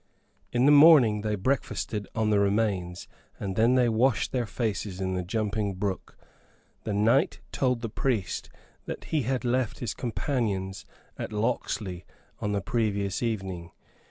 In the morning they breakfasted on the remains, and then they washed their faces in the jumping brook. The knight told the priest that he had left his companions at Locksley on the previous evening.